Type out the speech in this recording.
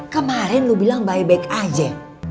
kemarin lo bilang baik baik aja